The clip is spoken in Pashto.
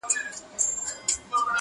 نازکبچياننازکګلونهيېدلېپاتهسي,